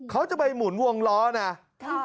เขาจะไปหมุนวงล้อนะ